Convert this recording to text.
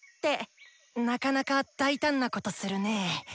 なかなか大胆なことするね。